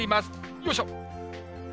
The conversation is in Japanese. よいしょ。